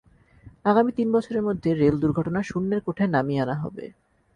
আগামী তিন বছরের মধ্যে রেল দুর্ঘটনা শূন্যের কোঠায় নামিয়ে আনা হবে।